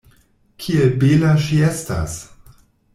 Kiel bela ŝi estas!